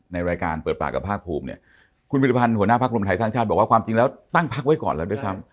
ในรายการเปิดปากกับภาคภูมิเนี่ยคุณวิริพันธ์หัวหน้าพักรวมไทยสร้างชาติบอกว่าความจริงแล้วตั้งพักไว้ก่อนแล้วด้วยซ้ำ